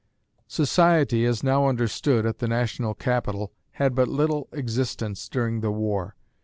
"Society," as now understood at the national capital, had but little existence during the war.